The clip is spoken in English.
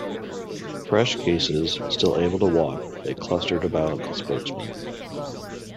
Fresh cases, still able to walk, they clustered about the spokesman.